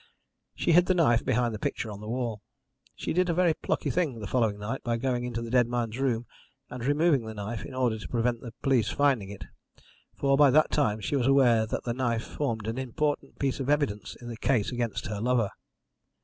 She hid the knife behind a picture on the wall. She did a very plucky thing the following night by going into the dead man's room and removing the knife in order to prevent the police finding it, for by that time she was aware that the knife formed an important piece of evidence in the case against her lover.